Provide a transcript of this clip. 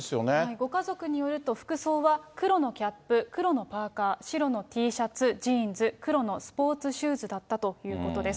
ご家族によると、服装は黒のキャップ、黒のパーカー、白のＴシャツ、ジーンズ、黒のスポーツシューズだったということです。